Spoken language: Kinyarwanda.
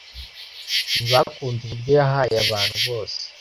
ntibakunze uburyo yahaye abantu bose